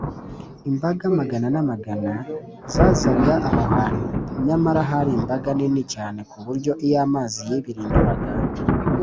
Imbabare amagana n’amagana zazaga aho hantu, nyamara bari imbaga nini cyane ku buryo, iyo amazi yibirinduraga,